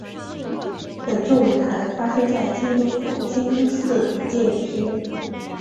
本作舞台发生在京都府京都市伏见区。